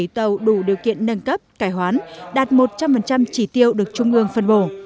bảy tàu đủ điều kiện nâng cấp cải hoán đạt một trăm linh chỉ tiêu được trung ương phân bổ